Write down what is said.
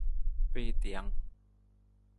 Piitijang.